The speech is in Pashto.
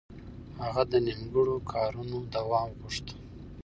هغه د نيمګړو کارونو دوام غوښت.